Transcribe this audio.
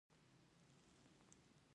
آیا پښتون میلمه تر دروازې پورې بدرګه نه کوي؟